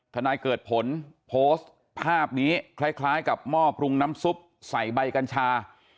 นายเกิดผลโพสต์ภาพนี้คล้ายกับหม้อปรุงน้ำซุปใส่ใบกัญชา